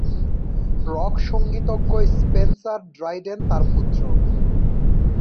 Rock সঙ্গীতজ্ঞ Spencer Dryden তার পুত্র।